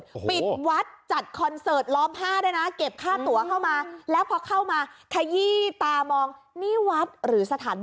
นะคะทำไมขายเหล้าขายเบียด้วยอ่ะค่ะ